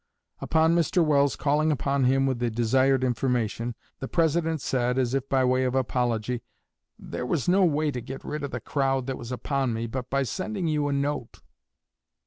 Upon Mr. Welles calling upon him with the desired information, the President said, as if by way of apology, "There was no way to get rid of the crowd that was upon me but by sending you a note."